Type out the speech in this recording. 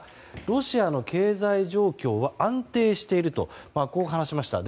ロシアの経済状況は安定しているとこう話しました。